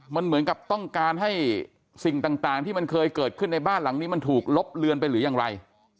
มันเหมือนกับต้องการให้สิ่งต่างที่มันเคยเกิดขึ้นในบ้านหลังนี้มันถูกลบเลือนไปหรือยังไร